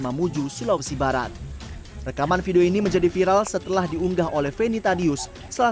mamuju sulawesi barat rekaman video ini menjadi viral setelah diunggah oleh feni tadius salah